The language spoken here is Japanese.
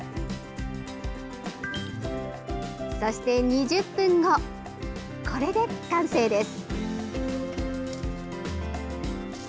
そして２０分後、これで完成です。